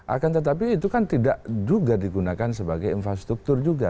akan tetapi itu kan tidak juga digunakan sebagai infrastruktur juga